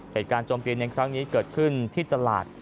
เหตุการณ์จมตีในครั้งนี้เกิดขึ้นที่ตลาด